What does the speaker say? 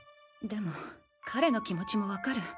でも彼の気持ちも分かる。